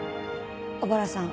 小原さん